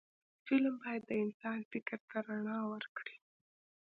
فلم باید د انسان فکر ته رڼا ورکړي